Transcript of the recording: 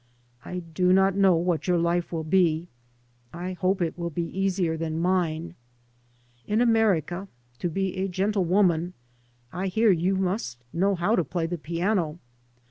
I do not know what your life will be. I hope it will be easier than mine. In America, to be a gentle woman I hear, you must know how to play the piano.